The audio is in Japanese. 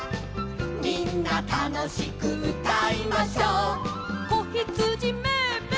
「みんなたのしくうたいましょ」「こひつじメエメエ」